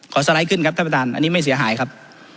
สไลด์ขึ้นครับท่านประธานอันนี้ไม่เสียหายครับ